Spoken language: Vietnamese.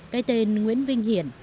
cái tên nguyễn vinh hiển